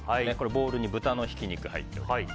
ボウルに豚のひき肉入っています。